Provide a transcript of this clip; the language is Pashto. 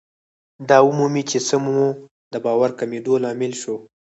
دا ومومئ چې څه مو د باور کمېدو لامل شو.